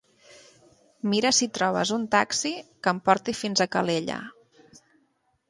Mira si trobes un taxi que em porti fins a Calella.